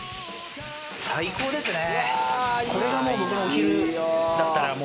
最高ですね。